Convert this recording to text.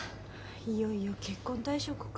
いよいよ結婚退職か。